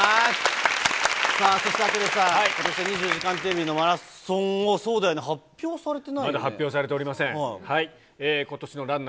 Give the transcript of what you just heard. さあ、そして、羽鳥さん、ことしの２４時間テレビのマラソン、そうだよね、発表されてないまだ発表されておりません。